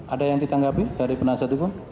ada yang ditanggapi dari penasihat hukum